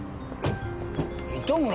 糸村。